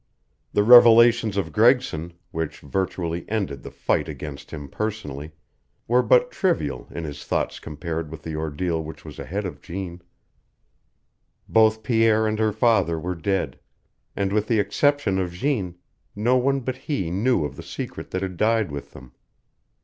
The revelations of Gregson, which virtually ended the fight against him personally, were but trivial in his thoughts compared with the ordeal which was ahead of Jeanne. Both Pierre and her father were dead, and, with the exception of Jeanne, no one but he knew of the secret that had died with them.